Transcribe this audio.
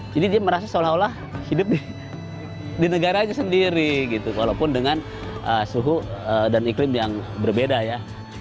jadi dia merasa seolah olah hidup di negaranya sendiri walaupun dengan suhu dan iklim yang berbeda ya